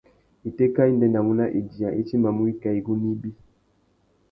Itéka i ndéndamú à idiya, i timbamú wikā igunú ibi.